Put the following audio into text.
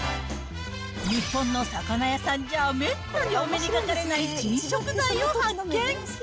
日本の魚屋さんじゃめったにお目にかかれない珍食材を発見。